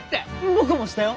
僕もしたよ！